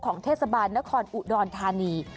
เทศบาลนครอุดรธานี